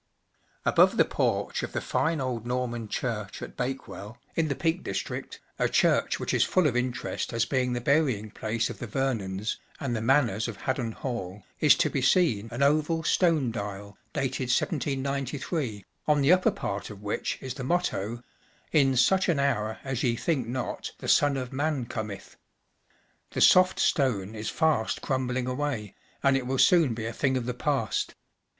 Above the porch of the fine old Norman church at Bakewell, in the Peak districts a church which is full of interest as being the burying place of the Vernons, and the Manners of Haddon Hall, is to be seen an oval stone dial dated 1793, on the upper part of which is the motto, u In such an hour as ye think not the Son of Man cometh ,’* The soft stone is Digitized by CtOOQ fast crumbling away, and it will soon be a thing of the past.